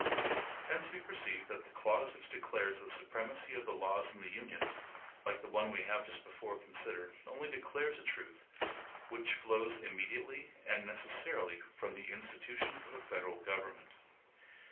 Hence we perceive that the clause which declares the supremacy of the laws of the Union, like the one we have just before considered, only declares a truth, which flows immediately and necessarily from the institution of a federal government.